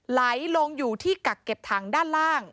ไหลลงอยู่ที่กักเก็บถังด้านล่าง